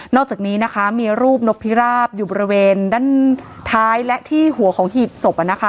อกจากนี้นะคะมีรูปนกพิราบอยู่บริเวณด้านท้ายและที่หัวของหีบศพ